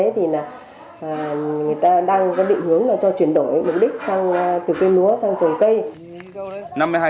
thì người ta đang định hướng là cho chuyển đổi mục đích từ cây múa sang trồng cây